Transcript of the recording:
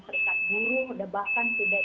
serikat buruh sudah bahkan sudah